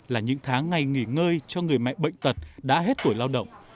là những tháng ngày nghỉ ngơi cho người mẹ bệnh tật đã hết tuổi lao động